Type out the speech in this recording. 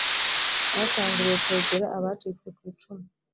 bakanguriwe kwegera abacitse ku icumu